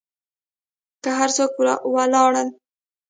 که هر څوک و لاړل.